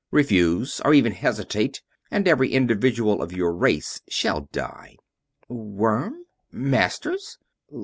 Refuse, or even hesitate, and every individual of your race shall die." "Worm? Masters?